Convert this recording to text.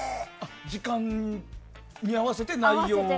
時間に合わせて内容を？